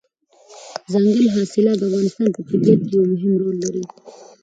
دځنګل حاصلات د افغانستان په طبیعت کې یو مهم رول لري.